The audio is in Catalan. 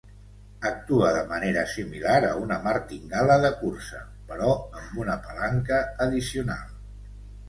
Actua de manera similar a una martingala de cursa, però amb una palanca addicional.